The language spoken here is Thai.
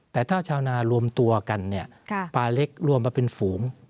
แต่ถ้าชาวนารวมตัวกันเนี่ยปลาเล็กรวมมาเป็นฝูง